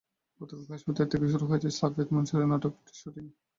গতকাল বৃহস্পতিবার থেকে শুরু হয়েছে সাফায়েত মনসুরের নাটকটির শুটিং।